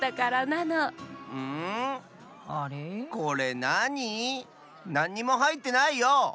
なんにもはいってないよ！